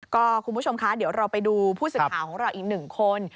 ก็คุณผู้ชมคะเดี๋ยวเราไปดูผู้สื่อข่าวของเราอีกหนึ่งคน